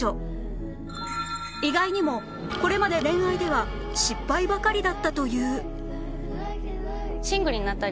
意外にもこれまで恋愛では失敗ばかりだったという